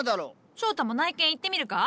翔太も内見行ってみるか？